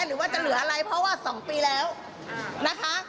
หรือว่าจะเหลืออะไรเพราะว่า๒ปีแล้วนะคะ